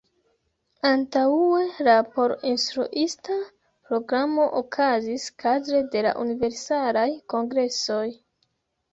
Antaŭe, la por instruista programo okazis kadre de la universalaj kongresoj.